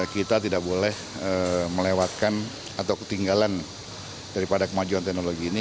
kita tidak boleh melewatkan atau ketinggalan daripada kemajuan teknologi ini